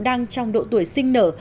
đang trong độ tuổi sinh nở